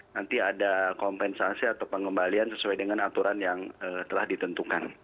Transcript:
nanti ada kompensasi atau pengembalian sesuai dengan aturan yang telah ditentukan